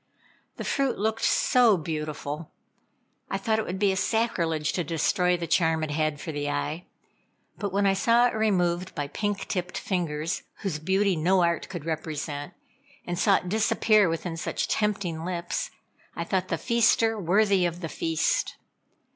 The fruit looked so beautiful. I thought it would be a sacrilege to destroy the charm it had for the eye; but when I saw it removed by pink tipped fingers, whose beauty no art could represent, and saw it disappear within such tempting lips. I thought the feaster worthy of the feast.